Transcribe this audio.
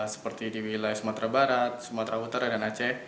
seperti di wilayah sumatera barat sumatera utara dan aceh